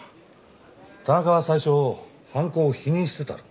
田中は最初犯行を否認してたろ。